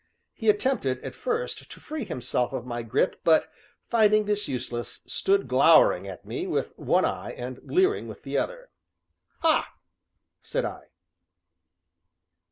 He attempted, at first, to free himself of my grip, but, finding this useless, stood glowering at me with one eye and leering with the other. "Ha!" said I.